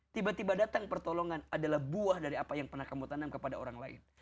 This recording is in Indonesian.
tiba tiba datang pertolongan adalah buah dari apa yang pernah kamu tanam kepada orang lain